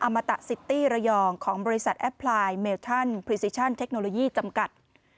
มาตะซิตี้ระยองของบริษัทแอปพลายเมลชั่นพรีซิชั่นเทคโนโลยีจำกัด